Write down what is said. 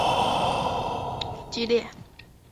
可见当时教派斗争之激烈。